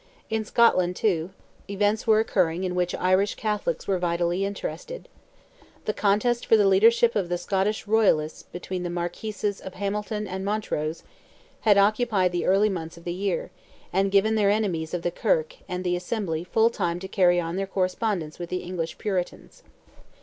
In Scotland, too, events were occurring in which Irish Catholics were vitally interested. The contest for the leadership of the Scottish royalists between the Marquises of Hamilton and Montrose had occupied the early months of the year, and given their enemies of the Kirk and the Assembly full time to carry on their correspondence with the English Puritans.